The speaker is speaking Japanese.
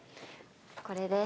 これです。